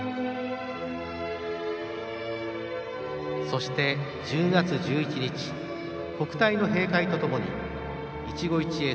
そして１０月１１日国体の閉会とともにいちご一会